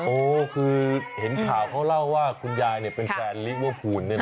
โอ้โหคือเห็นข่าวเขาเล่าว่าคุณยายเนี่ยเป็นแตนลีเวิ้ร์ฟูนปุนนึกนะ